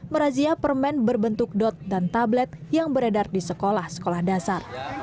merazia permen berbentuk dot dan tablet yang beredar di sekolah sekolah dasar